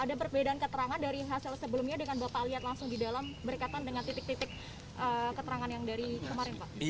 ada perbedaan keterangan dari hasil sebelumnya dengan bapak lihat langsung di dalam berkatan dengan titik titik keterangan yang dari kemarin pak